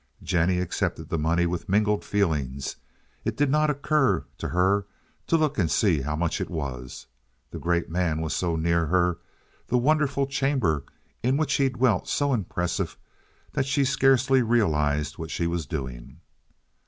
Jennie accepted the money with mingled feelings; it did not occur to her to look and see how much it was. The great man was so near her, the wonderful chamber in which he dwelt so impressive, that she scarcely realized what she was doing.